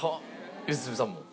良純さんも？